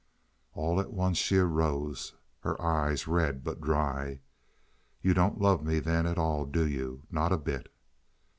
All at once she arose, her eyes red but dry. "You don't love me, then, at all, do you? Not a bit?"